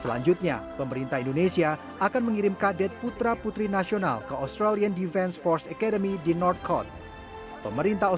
selanjutnya pemerintah indonesia akan mengirim kadet putra putri nasional ke australian defense cooperation